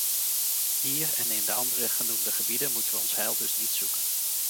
Hier en in de andere genoemde gebieden moeten we ons heil dus niet zoeken.